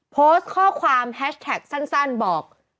โพสต์ข้อความแฮชแท็กสั้นบอก